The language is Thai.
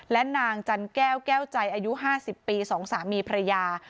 และนางจันแก้วแก้วใจอายุ๕๐ปี๒สามีภรรยา